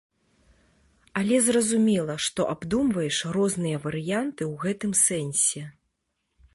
Але зразумела, што абдумваеш розныя варыянты ў гэтым сэнсе.